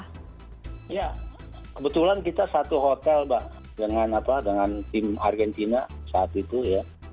ya kebetulan kita satu hotel mbak dengan tim argentina saat itu ya